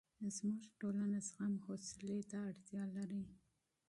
زموږ ټولنه زغم او حوصلې ته اړتیا لري.